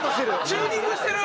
「チューニングしてる！」